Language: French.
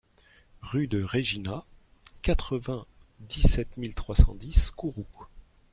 Rue de Règina, quatre-vingt-dix-sept mille trois cent dix Kourou